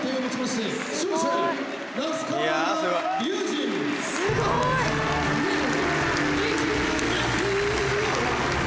すごい。